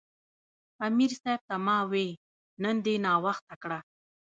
امیر صېب ته ما وې " نن دې ناوخته کړۀ "